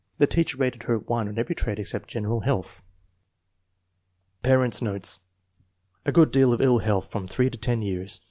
5 The teacher rated her 1 on every trait except general health. Parents 9 notes. A good deal of ill health from three to ten years.